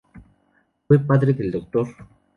Fue el padre del Dr.